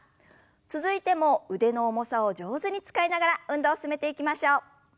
続いても腕の重さを上手に使いながら運動を進めていきましょう。